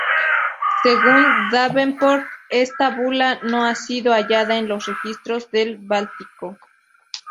Según Davenport, esta bula no ha sido hallada en los registros del Vaticano.